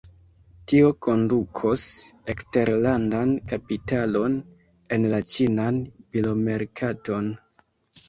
Tio kondukos eksterlandan kapitalon en la ĉinan bilomerkaton.